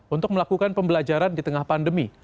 untuk melakukan pembelajaran di tengah pandemi